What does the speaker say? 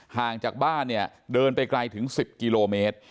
ห่างจากบ้านเนี่ยเดินไปไกลถึง๑๐กิโลเมตร